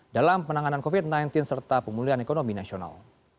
dalam penanganan covid sembilan belas serta pemulihan ekonomi nasional